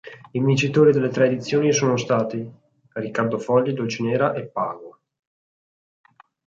I vincitori delle tre edizioni sono stati Riccardo Fogli, Dolcenera e Pago.